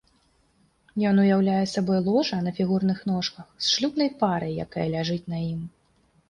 Ён уяўляе сабой ложа на фігурных ножках з шлюбнай парай, якая ляжыць на ім.